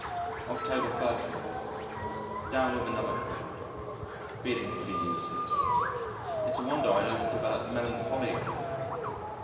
October 13. Down with another cold. Feeling pretty useless. It's a wonder I don't develop melancholia.